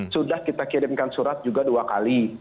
sudah kita kirimkan surat juga dua kali